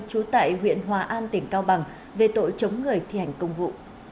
trú tại huyện hòa an tỉnh cao bằng về tội chống người thi hành công vụ